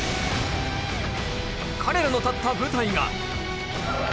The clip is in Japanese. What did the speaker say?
彼らの立った舞台が。